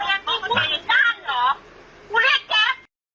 พี่พูดอย่างนี้ได้ด้วยหรอ